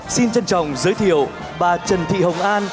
xin trân trọng giới thiệu bà trần thị hồng an